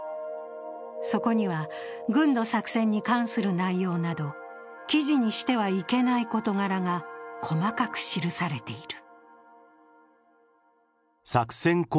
そこには軍の作戦に関する内容など記事にしてはいけない事柄が細かく記されている。